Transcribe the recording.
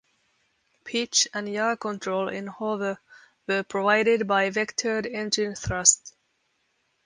Pitch and yaw control in hover were provided by vectored engine thrust.